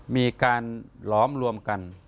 มีการล้อมรวมกัน